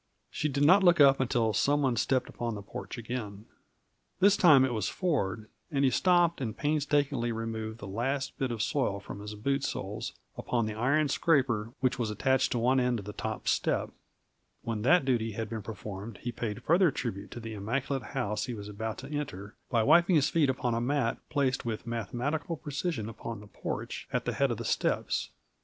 She did not look up until some one stepped upon the porch again. This time it was Ford, and he stopped and painstakingly removed the last bit of soil from his boot soles upon the iron scraper which was attached to one end of the top step; when that duty had been performed, he paid further tribute to the immaculate house he was about to enter, by wiping his feet upon a mat placed with mathematical precision upon the porch, at the head of the steps.